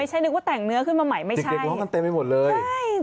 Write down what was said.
ฉันนึกว่าแต่งเนื้อขึ้นมาใหม่ไม่ใช่เด็กร้องกันเต็มไปหมดเลยใช่